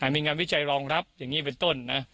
มีงานวิจัยรองรับอย่างนี้เป็นต้นนะ